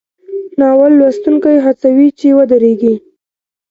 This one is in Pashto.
ناول لوستونکی هڅوي چې ودریږي.